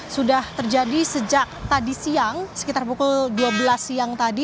sudah terjadi sejak tadi siang sekitar pukul dua belas siang tadi